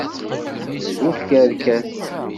D bu tkerkas.